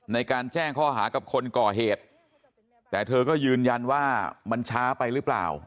ในการแจ้งข้อหากับคนก่อเหตุแต่เธอก็ยืนยันว่ามันช้าไปหรือเปล่า